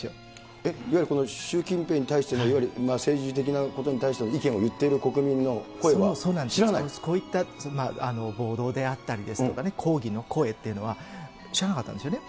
いわゆるこの習近平に対しての、いわゆる政治的なことに対しての意見を言ってる国民の声は知らなこういった暴動であったりですとかね、抗議の声っていうのは、知らなかったんですよね。